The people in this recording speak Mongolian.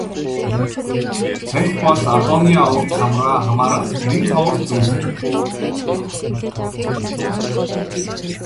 Тахь бол Адууны овогт хамаарах нэн ховор зүйл юм.